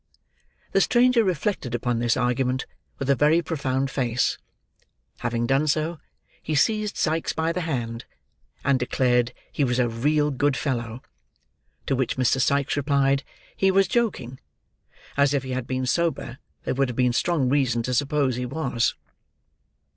The stranger reflected upon this argument, with a very profound face; having done so, he seized Sikes by the hand: and declared he was a real good fellow. To which Mr. Sikes replied, he was joking; as, if he had been sober, there would have been strong reason to suppose he was.